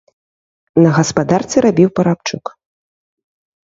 На гаспадарцы рабіў парабчук.